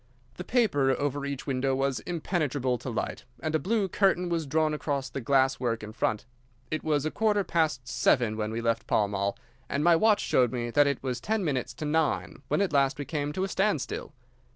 The paper over each window was impenetrable to light, and a blue curtain was drawn across the glass work in front. It was a quarter past seven when we left Pall Mall, and my watch showed me that it was ten minutes to nine when we at last came to a standstill.